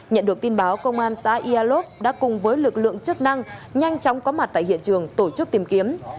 nhận được tin báo công an xã iaov đã cùng với lực lượng chức năng nhanh chóng có mặt tại hiện trường tổ chức tìm kiếm